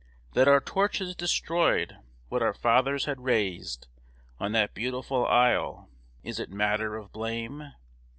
That our torches destroyed what our fathers had raised On that beautiful isle, is it matter of blame?